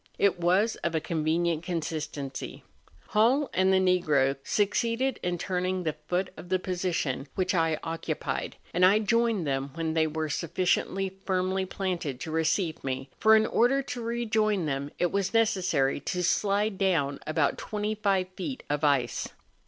It was of a convenient consistency. Hall and the Negro succeeded in turning the foot of the position which I occupied, and I joined them when they were suffi¬ ciently firmly planted to receive me, for in order to rejoin them it was necessary to slide down about 25 feet of ice.